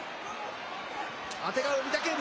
あてがう御嶽海。